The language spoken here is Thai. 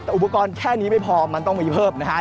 แต่อุปกรณ์แค่นี้ไม่พอมันต้องมีเพิ่มนะฮะ